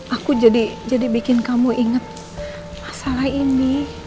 aku jadi bikin kamu inget masalah ini